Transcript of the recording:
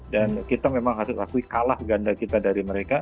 dan kita memang harus lakui kalah ganda kita dari mereka